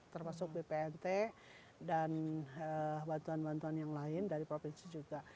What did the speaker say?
termasuk bpnt dan bantuan bantuan yang lain dari provinsi juga